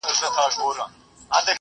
استاد شاګرد ته د کار خپلواکي نه ورکوي.